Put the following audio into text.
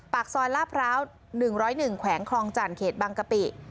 ปากซอยลาดพร้าว๑๐๑แขวงคลองจันทร์เขตบางกะปิ